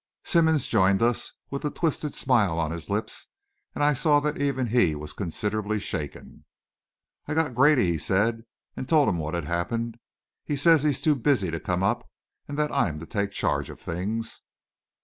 Simmonds joined us with a twisted smile on his lips, and I saw that even he was considerably shaken. "I got Grady," he said, "and told him what had happened. He says he's too busy to come up, and that I'm to take charge of things."